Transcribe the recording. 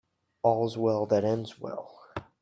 All's well that ends well